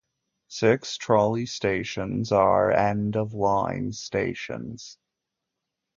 Six Trolley stations are end-of-line stations.